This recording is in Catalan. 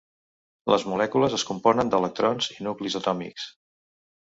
Les molècules es componen d'electrons i nuclis atòmics.